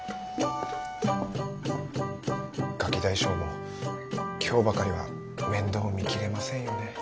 ガキ大将も今日ばかりは面倒見きれませんよね。